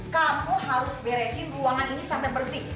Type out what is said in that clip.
kamu harus beresin ruangan ini sampai bersih